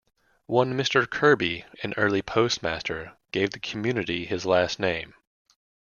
One Mr. Kirby, an early postmaster, gave the community his last name.